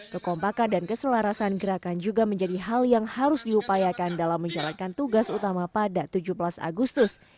kekompakan dan keselarasan gerakan juga menjadi hal yang harus diupayakan dalam menjalankan tugas utama pada tujuh belas agustus